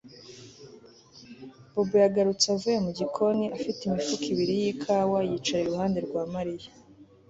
Bobo yagarutse avuye mu gikoni afite imifuka ibiri yikawa yicara iruhande rwa Mariya